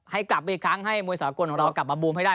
ให้กลับไปอีกครั้งให้มวยสากลของเรากลับมาบูมให้ได้